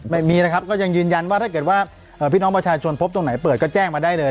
ไม่มีนะครับก็ยังยืนยันว่าถ้าเกิดว่าพี่น้องประชาชนพบตรงไหนเปิดก็แจ้งมาได้เลย